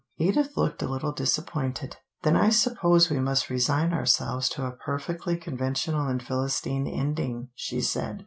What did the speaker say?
Edith looked a little disappointed. "Then I suppose we must resign ourselves to a perfectly conventional and Philistine ending," she said.